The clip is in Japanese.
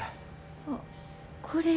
あっこれ。